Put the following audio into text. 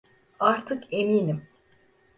Artık eminim.